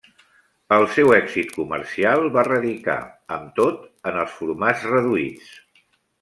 El seu èxit comercial va radicar, amb tot, en els formats reduïts.